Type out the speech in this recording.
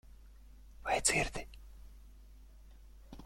Vai dzirdi?